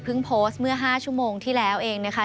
โพสต์เมื่อ๕ชั่วโมงที่แล้วเองนะคะ